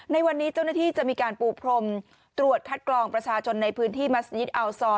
ในวันนี้เจ้าหน้าที่จะมีการปูพรมตรวจคัดกรองประชาชนในพื้นที่มัศยิตอัลซอร์